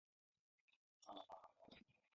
She studied under Mlle.